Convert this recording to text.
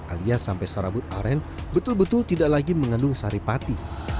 alias sampai serabut aren betul betul tidak lagi mengandung saripati